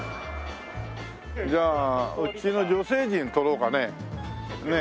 じゃあうちの女性陣撮ろうかね。